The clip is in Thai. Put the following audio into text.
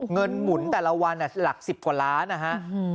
หมุนแต่ละวันหลัก๑๐กว่าล้านนะฮะ